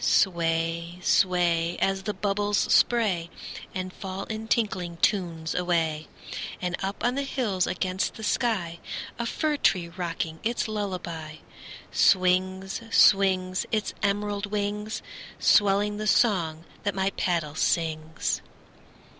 Sway, sway, As the bubbles spray And fall in tinkling tunes away. And up on the hills against the sky, A fir tree rocking its lullaby, Swings, swings, Its emerald wings, Swelling the song that my paddle sings.